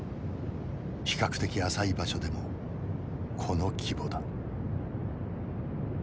比較的浅い場所でもこの規模だ。